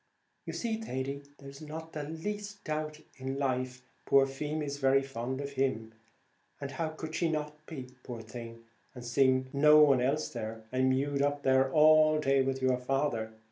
"You see, Thady, there's not the least doubt in life poor Feemy's very fond of him; and how could she not be, poor thing, and she seeing no one else, and mewed up there all day with your father?